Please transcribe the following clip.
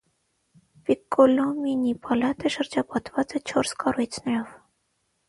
Պիկկոլոմինիի պալատը շրջապատված է չորս կառույցներով։